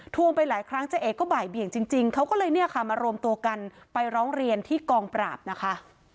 ไปหลายครั้งเจ๊เอกก็บ่ายเบี่ยงจริงเขาก็เลยเนี่ยค่ะมารวมตัวกันไปร้องเรียนที่กองปราบนะคะ